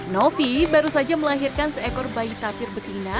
novi baru saja melahirkan seekor bayi tapir betina